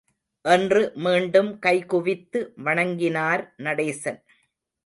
என்று மீண்டும் கைகுவித்து வணங்கினார் நடேசன்.